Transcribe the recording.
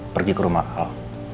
pergi ke rumah al